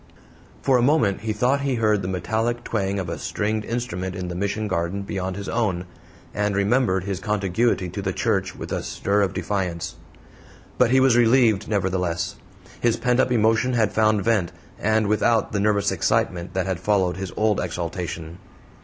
For a moment he thought he heard the metallic twang of a stringed instrument in the Mission garden beyond his own, and remembered his contiguity to the church with a stir of defiance. But he was relieved, nevertheless. His pent up emotion had found vent, and without the nervous excitement that had followed his old exaltation.